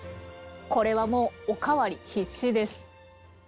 これはもうお代わり必至です。